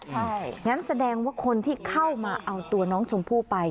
ใช่งั้นแสดงว่าคนที่เข้ามาเอาตัวน้องชมพู่ไป